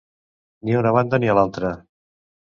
Ni a una banda ni a l'altra.